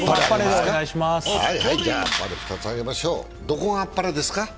はいはい、２つあげましょう、どこがあっぱれですか？